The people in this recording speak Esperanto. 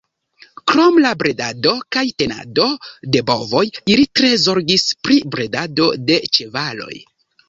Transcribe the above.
Krom la bredado kaj tenado de bovoj ili tre zorgis pri bredado de ĉevaloj.